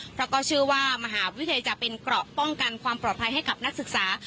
เพราะก็เชื่อว่ามหาวิทยาลัยจะเป็นเกราะป้องกันความปลอดภัยให้กับนักศึกษา